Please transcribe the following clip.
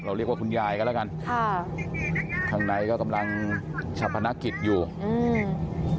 เรียกว่าคุณยายกันแล้วกันค่ะข้างในก็กำลังชะพนักกิจอยู่อืม